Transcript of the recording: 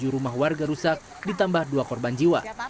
tujuh rumah warga rusak ditambah dua korban jiwa